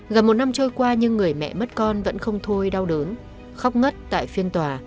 gần một năm trôi qua nhưng người mẹ mất con vẫn không thôi đau đớn khóc ngất tại phiên tòa